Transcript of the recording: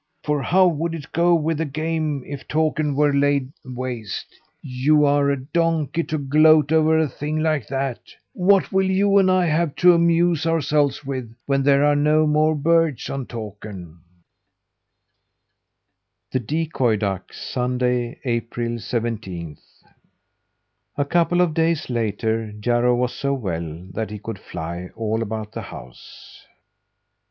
For how would it go with the game if Takern were laid waste. You're a donkey to gloat over a thing like that. What will you and I have to amuse ourselves with, when there are no more birds on Takern?" THE DECOY DUCK Sunday, April seventeenth. A couple of days later Jarro was so well that he could fly all about the house.